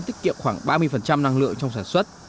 tiết kiệm khoảng ba mươi năng lượng trong sản xuất